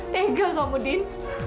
tega kamu din